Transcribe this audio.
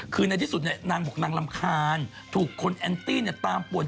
คือในที่สุดนางบอกนางรำคาญถูกคนแอนตี้ตามป่วน